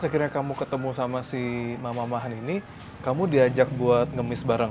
akhirnya kamu ketemu sama si mama mahaan ini kamu diajak buat ngemis bareng